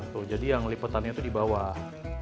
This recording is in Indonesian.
tuh jadi yang lipetannya tuh di bawah